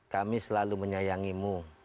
kami selalu menyayangimu